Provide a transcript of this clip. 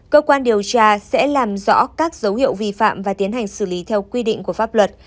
cơ quan điều tra sẽ làm rõ các dấu hiệu vi phạm và tiến hành xử lý theo quy định của pháp luật